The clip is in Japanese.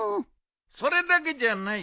それだけじゃないぞ。